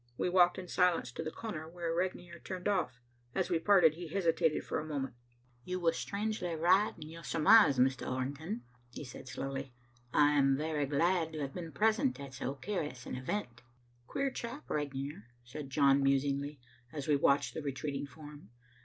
We walked in silence to the corner where Regnier turned off. As we parted, he hesitated for a moment. "You were strangely right in your surmise, Mr. Orrington," he said slowly. "I am very glad to have been present at so curious an event." "Queer chap Regnier," said John musingly, as we watched the retreating form.